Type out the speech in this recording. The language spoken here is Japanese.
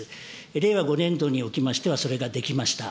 令和５年度におきましては、それができました。